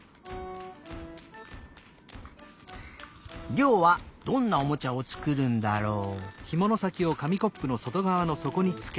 りょうはどんなおもちゃをつくるんだろう？